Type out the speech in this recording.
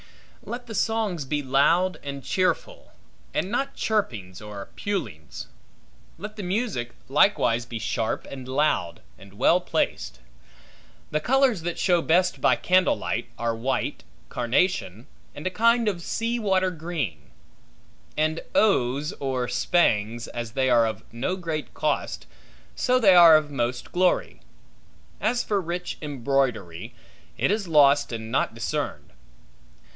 Let the songs be loud and cheerful, and not chirpings or pulings. Let the music likewise be sharp and loud, and well placed. The colors that show best by candle light are white, carnation, and a kind of sea water green; and oes, or spangs, as they are of no great cost, so they are of most glory. As for rich embroidery, it is lost and not discerned.